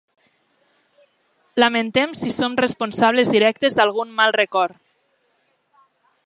Lamentem si som responsables directes d'algun mal record.